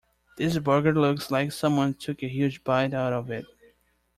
This burger looks like someone took a huge bite out of it.